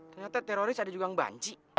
ternyata teroris ada juga yang banci